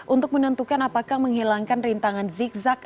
untuk menentukan apakah menghilangkan rintangan zigzag